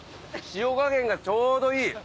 塩加減がちょうどいい！